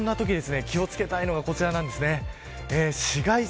こんなとき気を付けたいのがこちらです。